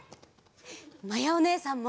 まやおねえさんも！